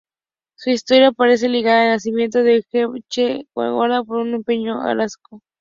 Su historia aparece ligada al nacimiento de Ernesto Che Guevara por un hecho azaroso.